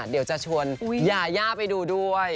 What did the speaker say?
เดี๋ยวจะชวนยาย่าไปดูด้วย